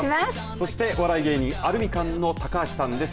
そしてお笑い芸人アルミカンの高橋さんです。